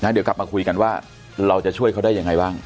เดี๋ยวกลับมาคุยกันว่าเราจะช่วยเขาได้ยังไงบ้าง